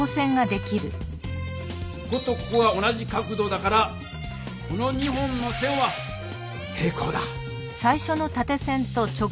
こことここは同じ角度だからこの２本の線は平行だ。